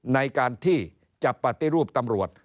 ในการที่จะปฏิรูปตำรวจ